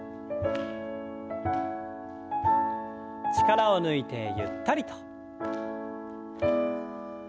力を抜いてゆったりと。